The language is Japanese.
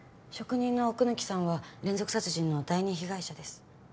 職人の奥貫さんは連続殺人の第２被害者です。